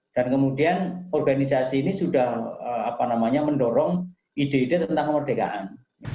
dan kemudian organisasi ini sudah mendorong ide ide tentang kemerdekaan